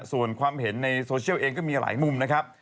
ส่วนความเห็นในโซเชียลเองก็มีหลายมุมนะครับ